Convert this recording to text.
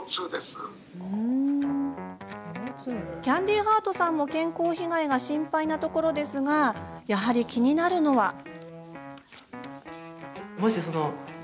キャンディーハートさんも健康被害が心配なところですがやはり気になるのは。